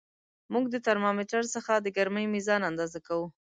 موږ د ترمامتر څخه د ګرمۍ میزان اندازه کوو.